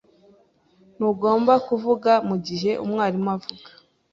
Ntugomba kuvuga mugihe umwarimu avuga.